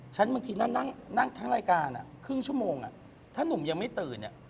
บางทีนั่งทั้งรายการครึ่งชั่วโมงถ้านุ่มยังไม่ตื่น